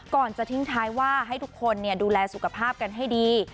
ก่อนจะทิ้งท้ายว่าให้ทุกคนดูแลสุขภาพกันให้ดี